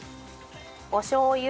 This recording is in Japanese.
おしょう油。